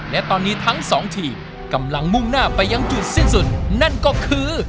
และตอนนี้ทั้งสองทีมกำลังมุ่งหน้าไปยังจุดสิ้นสุดนั่นก็คือ